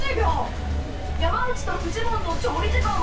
山内とフジモンの調理時間は？